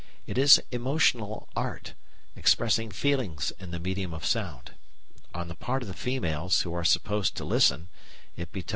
It is emotional art, expressing feelings in the medium of sound. On the part of the females, who are supposed to listen, it betokens a cultivated ear.